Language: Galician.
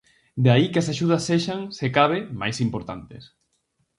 De aí que as axudas sexan se cabe máis importantes.